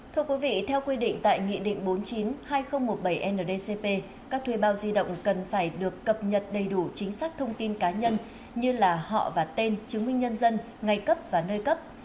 thưa quý vị theo quy định tại nghị định bốn mươi chín hai nghìn một mươi bảy ndcp các thuê bao di động cần phải được cập nhật đầy đủ chính xác thông tin cá nhân như là họ và tên chứng minh nhân dân ngày cấp và nơi cấp